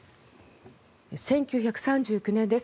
１９３９年です。